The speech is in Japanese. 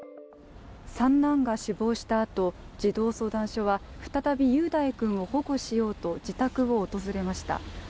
三男が死亡したあと、児童相談所は再び、雄大君を保護しようと自宅を訪れました。